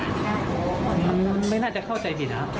มันไม่น่าจะเข้าใจผิดครับ